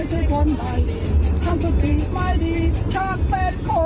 จะไปจบเข้าพีค